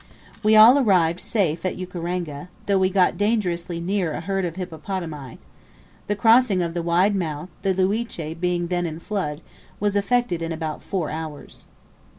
We all arrived safe at Ukaranga, though we got dangerously near a herd of hippopotami. The crossing of the wide mouth (the Liuche being then in flood) was effected in about four hours.